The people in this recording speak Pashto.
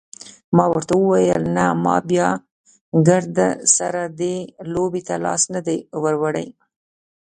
ما ورته وویل نه ما بیا ګردسره دې لوبې ته لاس نه دی وروړی.